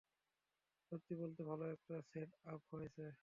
সত্যি বলতে, ভালো একটা সেট-আপ হয়েছে।